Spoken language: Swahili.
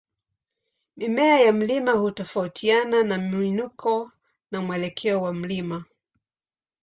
Mimea ya mlima hutofautiana na mwinuko na mwelekeo wa mlima.